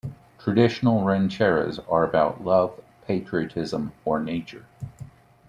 Traditional rancheras are about love, patriotism or nature.